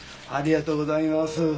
ありがとうございます。